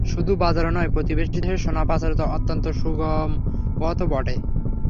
শুধুই বাজার নয়, প্রতিবেশী দেশে সোনা পাচারের অত্যন্ত সুগম পথও বটে।